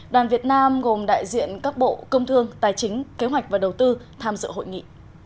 đoàn việt nam gồm đại diện các bộ công thương tài chính kế hoạch và đầu tư tham dự hội nghị